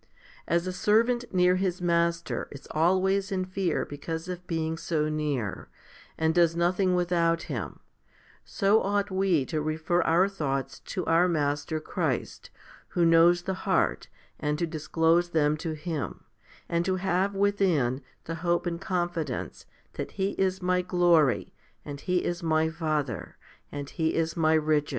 As a servant near his master is always in fear because of being so near, and does nothing without him, so ought we to refer our thqughts to our Master, Christ, who knows the heart, and to disclose them to Him, and to have within the hope and confidence that " He is my glory, and He is my Father, and He is my riches."